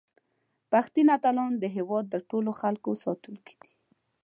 پښتني اتلان د هیواد د ټولو خلکو ساتونکي دي.